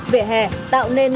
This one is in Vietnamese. vỉa hè tạo nên